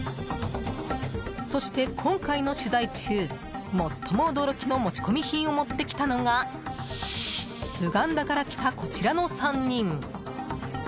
そして、今回の取材中最も驚きの持ち込み品を持ってきたのがウガンダから来たこちらの３人。